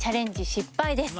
失敗です